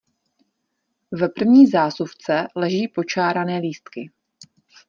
V první zásuvce leží počárané lístky.